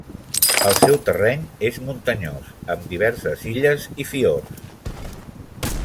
El seu terreny és muntanyós, amb diverses illes i fiords.